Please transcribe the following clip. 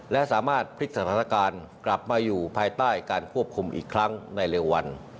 และสามารถพลิกสถานการณ์กลับมาอยู่ภายใต้การควบคุมอีกครั้งในเร็ววัน